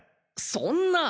そんな！